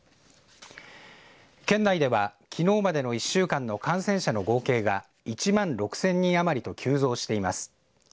県内では、きのうまでの１週間の感染者の合計が１万６０００人余りと急増しています。